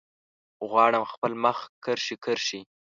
غواړم خپل مخ کرښې، کرښې